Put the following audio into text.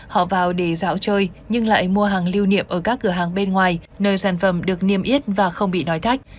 họ vào để dạo chơi nhưng lại mua hàng lưu niệm ở các cửa hàng bên ngoài nơi sản phẩm được niêm yết và không bị nói thách